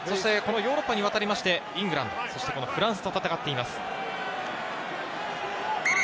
ヨーロッパに渡ってイングランド、フランスと戦っています。